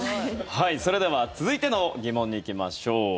それでは続いての疑問に行きましょう。